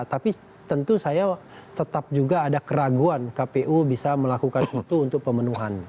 tapi tentu saya tetap juga ada keraguan kpu bisa melakukan itu untuk pemenuhan